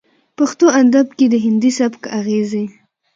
پښتو ادب کې د هندي سبک اغېزې